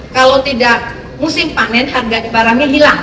kalau tidak musim panen harganya hilang